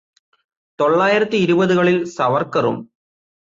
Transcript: തൊള്ളായിരത്തി ഇരുപതുകളില് സവര്ക്കറും